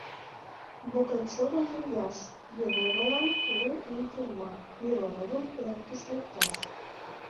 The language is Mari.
Богачевым — лӱяш, Беловалан — лу ий тюрьма, Мироновым эрыкыш лукташ.